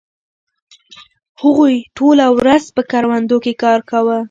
هغوی ټوله ورځ په کروندو کې کار کاوه.